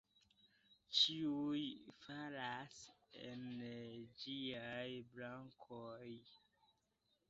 Ĉiuj falas en ĝiaj brakoj.